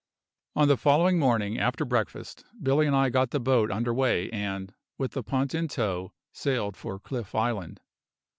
On the following morning, after breakfast, Billy and I got the boat under way and, with the punt in tow, sailed for Cliff Island.